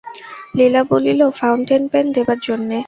লীলা বলিল, fountain pen দেবার জন্যে?